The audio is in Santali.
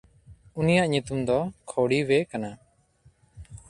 ᱩᱱᱤᱭᱟᱜ ᱧᱩᱛᱩᱢ ᱫᱚ ᱠᱷᱚᱰᱤᱣᱮ ᱠᱟᱱᱟ᱾